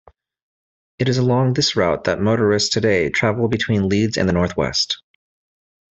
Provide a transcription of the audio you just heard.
It is along this route that motorists today travel between Leeds and the northwest.